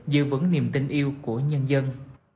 giữ vững niềm tin yêu của nhân dân